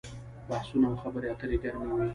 بحثونه او خبرې اترې ګرمې وي.